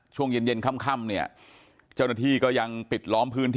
ช่วงเย็นเย็นค่ำเนี่ยเจ้าหน้าที่ก็ยังปิดล้อมพื้นที่